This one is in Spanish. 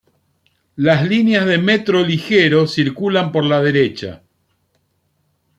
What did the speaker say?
Las líneas de Metro Ligero circulan por la derecha.